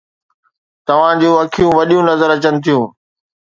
توهان جون اکيون وڏيون نظر اچن ٿيون.